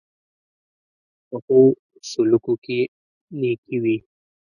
پخو سلوکو کې نېکي وي